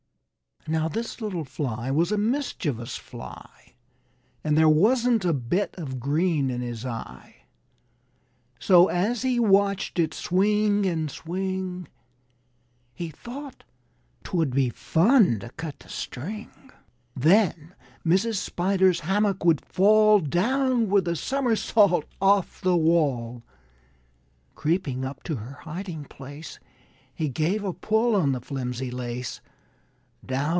Now this little Fly was a mischievous Fly, And there wasn't a bit of green in his eye! So, as he watched it swing and swing, He thought 'twould be fun to cut the string. Then Mrs. Spider's hammock would fall Down with a somersault off the wall. Creeping up to her hiding place, He gave a pull on the flimsy lace.